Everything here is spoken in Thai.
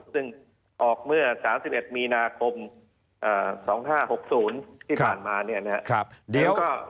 ซึ่งออกเมื่อ๓๑มีนาคม๒๕๖๐ที่ผ่านมาเนี่ยนะครับ